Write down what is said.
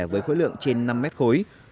với khối lượng trên năm mét khối